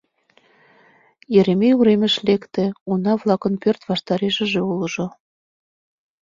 Еремей уремыш лекте, уна-влакым пӧрт ваштарешыже ужо.